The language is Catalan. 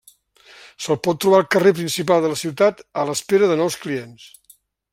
Se'l pot trobar al carrer principal de la ciutat a l'espera de nous clients.